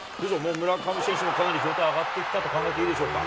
村上選手もかなり状態上がってきたと考えていいでしょうか。